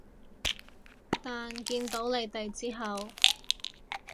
但見到你哋之後